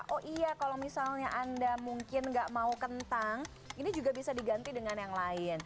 oh iya kalau misalnya anda mungkin nggak mau kentang ini juga bisa diganti dengan yang lain